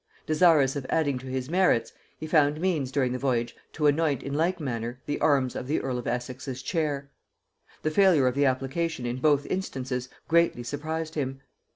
Desirous of adding to his merits, he found means during the voyage to anoint in like manner the arms of the earl of Essex's chair. The failure of the application in both instances greatly surprised him.